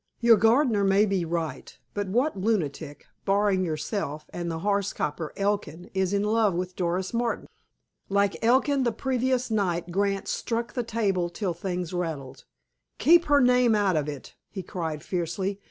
"Your gardener may be right. But what lunatic, barring yourself and the horse coper, Elkin, is in love with Doris Martin?" Like Elkin the previous night, Grant struck the table till things rattled. "Keep her name out of it," he cried fiercely.